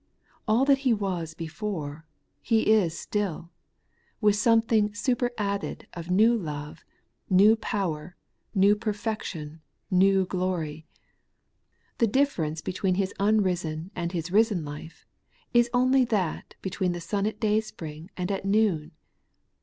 AU that He was before, He is still, with something superadded of new love, new power, new perfection, new glory. The difference between His unrisen and His risen life is only that between the sun at dayspring and at noon.